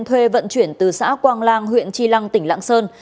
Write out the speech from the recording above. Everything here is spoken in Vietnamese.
thuê vận chuyển từ xã quang lang huyện tri lăng tỉnh lạng sơn